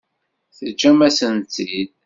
Teǧǧam-asent-t-id?